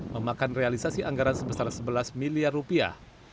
memakan realisasi anggaran sebesar sebelas miliar rupiah